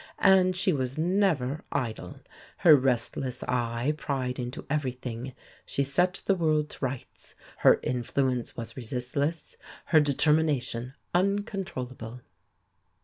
And she was never idle. Her restless eye pried into everything; she set the world to rights; her influence was resistless, her determination uncontrollable."